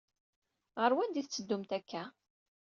Ɣer wanda i tetteddumt akka?